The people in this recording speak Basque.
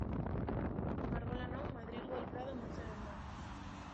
Margolan hau Madrilgo El Prado museoan da.